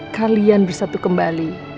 kalian bersatu kembali